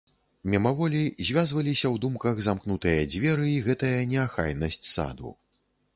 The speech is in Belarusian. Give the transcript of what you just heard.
Мімаволі звязваліся ў думках замкнутыя дзверы і гэтая неахайнасць саду.